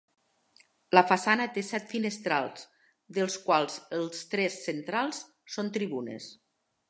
La façana té set finestrals, dels quals els tres centrals són tribunes.